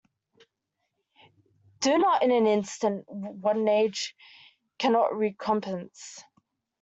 Do not in an instant what an age cannot recompense.